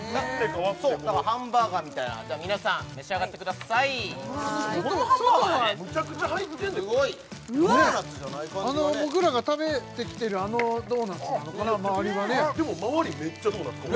ハンバーガーみたいな皆さん召し上がってください外はむちゃくちゃ入ってんで僕らが食べてきているあのドーナツなのかな周りはねでも周りメッチャドーナツここ